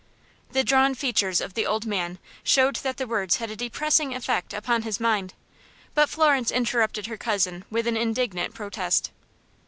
The drawn features of the old man showed that the words had a depressing effect upon his mind, but Florence interrupted her cousin with an indignant protest.